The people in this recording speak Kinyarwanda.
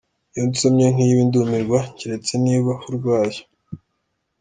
iyo nsomye nkibi ndumirwa, keretse niba urwaye.